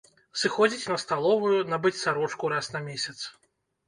Сыходзіць на сталовую, набыць сарочку раз на месяц.